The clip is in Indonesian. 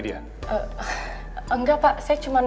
di saat sinta butuh bantuan